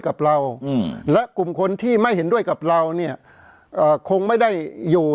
กับเราอืมและกลุ่มคนที่ไม่เห็นด้วยกับเราเนี่ยเอ่อคงไม่ได้อยู่